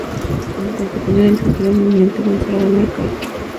Como consecuencia del bloqueo, la "Unión" quedó encerrada en el Callao.